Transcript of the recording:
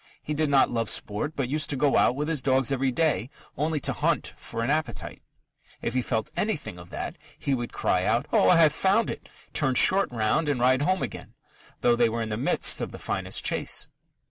He did not love sport, but used to go out with his dogs every day only to hunt for an appetite. If he felt anything of that, he would cry out, "Oh, I have found it!" turn short round and ride home again, though they were in the midst of the finest chase.